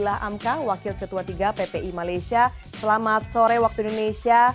wakil ketua tiga ppi malaysia selamat sore waktu indonesia